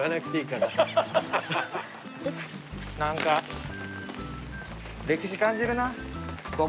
何か歴史感じるな。